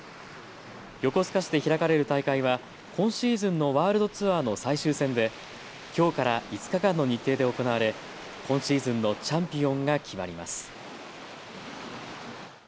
横須賀市で開かれる大会は今シーズンのワールドツアーの最終戦で、きょうから５日間の日程で行われ、今シーズンのチャンピオンが決まります。